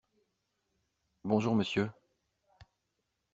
Bonjour monsieur.